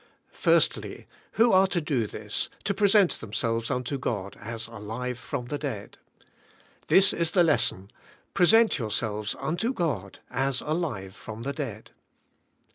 1. Who are to do this, — to present themselves unto God as alive from the dead ? This is the les son, ''Present yourselves unto God as alive from the dead."